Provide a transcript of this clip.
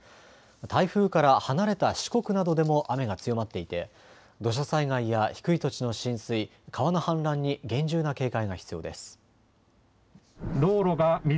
台風から離れた四国などでも雨が強まっていて、土砂災害や低い土地の浸水、川の氾濫に厳重な警戒が必要です。